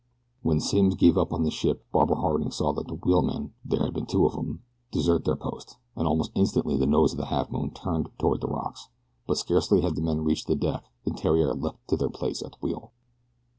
When Simms gave up the ship Barbara Harding saw the wheelmen, there had been two of them, desert their post, and almost instantly the nose of the Halfmoon turned toward the rocks; but scarcely had the men reached the deck than Theriere leaped to their place at the wheel.